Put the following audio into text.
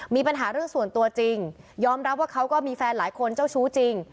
มีปัญหาเรื่องส่วนตัวจริงยอมรับว่าเขาก็มีแฟนหลายคนเจ้าชู้จริง